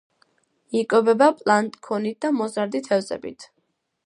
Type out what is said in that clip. იკვებება პლანქტონით და მოზარდი თევზებით.